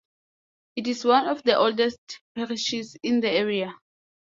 It is one of the oldest parishes in the area.